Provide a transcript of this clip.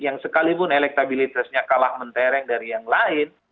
yang sekalipun elektabilitasnya kalah mentereng dan tidak berhasil